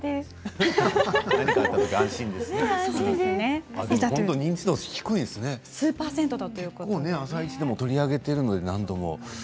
結構「あさイチ」でも取り上げているので何度も。